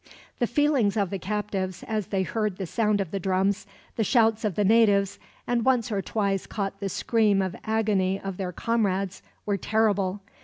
The feelings of the captives, as they heard the sound of the drums, the shouts of the natives, and once or twice caught the scream of agony of their comrades, were terrible.